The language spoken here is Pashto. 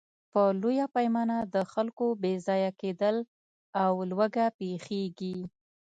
په لویه پیمانه د خلکو بېځایه کېدل او لوږه پېښېږي.